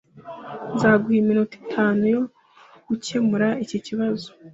Nzaguha iminota itanu yo gukemura iki kibazo.